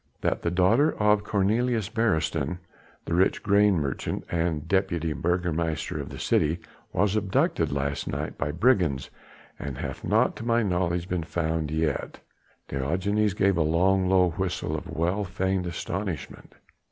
"That the daughter of Cornelius Beresteyn, the rich grain merchant and deputy burgomaster of this city, was abducted last night by brigands and hath not to my knowledge been found yet." Diogenes gave a long, low whistle of well feigned astonishment.